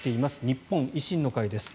日本維新の会です。